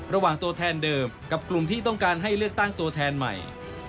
ระหว่างตัวแทนเดิมกับกลุ่มที่ต้องการให้เลือกตั้งตัวแทนใหม่